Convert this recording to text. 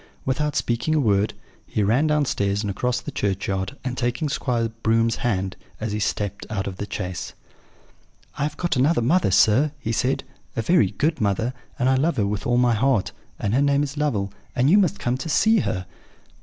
Without speaking a word, he ran downstairs, and across the churchyard; and, taking Squire Broom's hand, as he stepped out of the chaise: "'I have got another mother, sir,' he said, 'a very good mother; and I love her with all my heart; and her name is Lovel; and you must come to see her.'